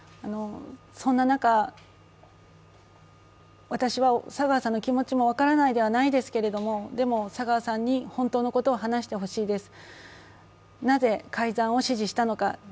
そんな中、私は佐川さんの気持ちも分からないではないですけれども、でも佐川さんに本当のことを話してほしいです。